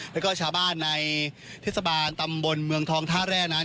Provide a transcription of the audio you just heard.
แล้วก็ชาวบ้านในเทศบาลตำบลบรรทองท่าแร่นะครับ